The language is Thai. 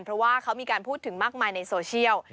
เพราะว่าเขามีการพูดถึงมากมายในโซเชียล